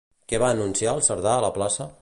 Què va anunciar el Cerdà a la plaça?